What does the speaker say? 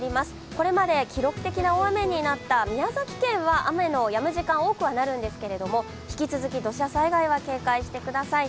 これまで記録的な大雨になった宮崎県は雨のやむ時間が多くはなるんですけれども引き続き土砂災害は警戒してください。